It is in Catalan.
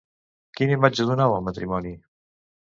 Quina imatge donava el matrimoni?